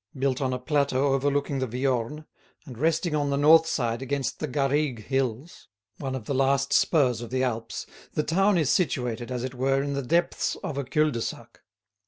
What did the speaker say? Built on a plateau overlooking the Viorne, and resting on the north side against the Garrigues hills, one of the last spurs of the Alps, the town is situated, as it were, in the depths of a cul de sac.